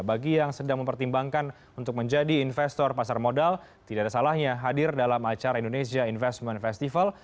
bagi yang sedang mempertimbangkan untuk menjadi investor pasar modal tidak ada salahnya hadir dalam acara indonesia investment festival